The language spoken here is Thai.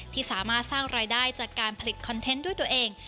ที่สามารถสร้างรายได้จากการผลิตคอนเทนต์ด้วยตัวเอง